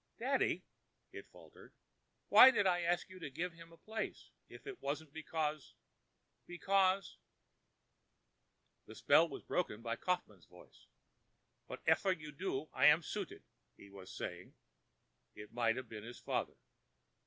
"Daddy!" it faltered. "Why did I ask you to give him the place, if it wasn't because—because——" The spell was broken by Kaufmann's voice. "Whatefer you do, I am sooted," he was saying. It might have been his father.